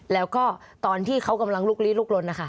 แล้วก็ตอนที่เขากำลังลุกลี้ลุกลนนะคะ